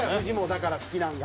だから好きなんが。